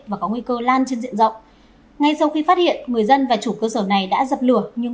và có nguy cơ lan trên diện rộng ngay sau khi phát hiện người dân và chủ cơ sở này đã dập lửa nhưng